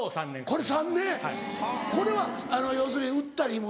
これ３年これは要するに売ったりもした？